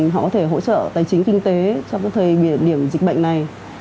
họ có thể hỗ trợ tài chính kinh tế trong thời điểm dịch bệnh này